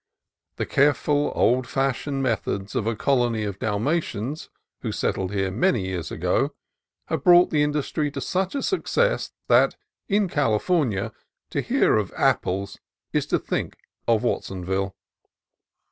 The careful, old fashioned methods of a colony of Dalmatians who settled here many years ago have brought the in dustry to such success that, in California, to hear of apples is to think of Watsonville.